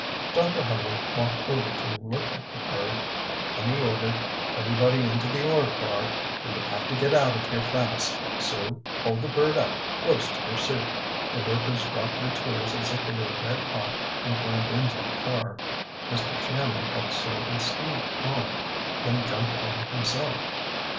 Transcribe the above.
Dr. Harding walked over to look at the bird. Then he ordered, "Everybody into the ore car! We have to get out of here fast! Sue, hold the bird up close to your suit!" The workers dropped their tools as if they were red hot and climbed into the car. Mr. Shannon helped Sue and Steve on, then jumped on himself.